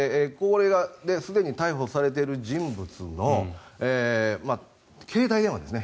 すでに逮捕されている人物の携帯電話ですね。